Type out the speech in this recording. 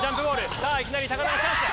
さあいきなり田がチャンスだ。